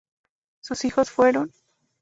Sus hijos fueron;